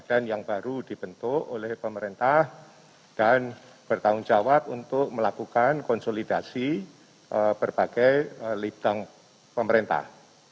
dan bertanggung jawab untuk melakukan konsolidasi berbagai lidang pemerintah